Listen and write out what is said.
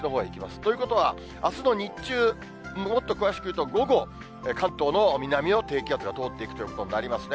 ということは、あすの日中、もっと詳しくいうと午後、関東の南を低気圧が通っていくということになりますね。